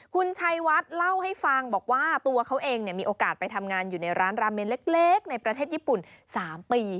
คุณชัยวัดเล่าให้ฟังบอกว่าตัวเขาเองมีโอกาสไปทำงานอยู่ในร้านราเมนเล็กในประเทศญี่ปุ่น๓ปี